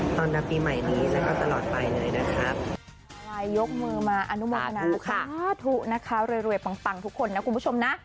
ตอนรับปีใหม่นี้แล้วก็ตลอดไปเลยนะครับ